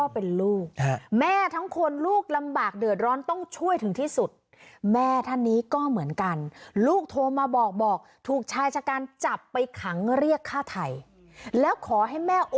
เป็นลูกแม่ทั้งคนลูกลำบากเดือดร้อนต้องช่วยถึงที่สุดแม่ท่านนี้ก็เหมือนกันลูกโทรมาบอกบอกถูกชายชะกันจับไปขังเรียกฆ่าไทยแล้วขอให้แม่โอ